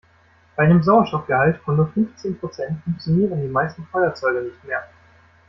Bei einem Sauerstoffgehalt von nur fünfzehn Prozent funktionieren die meisten Feuerzeuge nicht mehr.